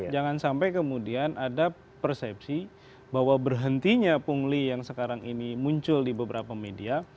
jangan sampai kemudian ada persepsi bahwa berhentinya pungli yang sekarang ini muncul di beberapa media